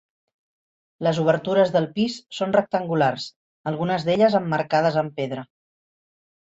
Les obertures del pis són rectangulars, algunes d'elles emmarcades en pedra.